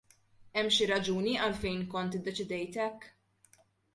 Hemm xi raġuni għalfejn kont iddeċidejt hekk?